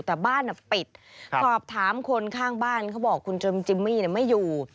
แต่บ้านปิดสอบถามคนข้างบ้านเขาบอกคุณจมจิมมี่ไม่อยู่